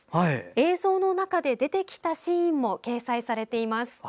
映像の中で出てきたシーンも掲載されています。